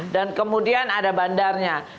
dan kemudian ada bandarnya